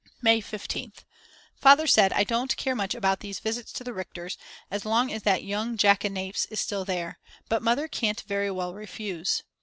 May 15th. Father said: I don't care much about these visits to the Richters as long as that young jackanapes is still there, but Mother can't very well refuse.